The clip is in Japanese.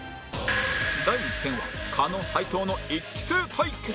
第１戦は狩野斉藤の１期生対決